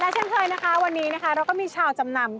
และเชิญเคยนะคะวันนี้เราก็มีชาวจำนำ